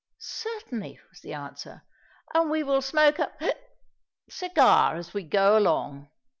"Certainly," was the answer: "and we will smoke a—hic—cigar as we go along."